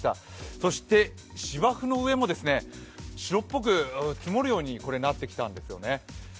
そして芝生の上も白っぽく積もるようになってきたんです。